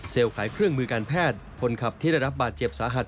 ขายเครื่องมือการแพทย์คนขับที่ได้รับบาดเจ็บสาหัส